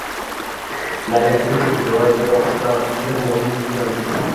Laylak dedim-ku, jinnivoy,- deb ohista egilib, o’g’lining yuzidan o’pdi.